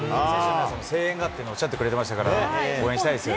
声援があってとおっしゃってくれてましたから、応援したいですよね。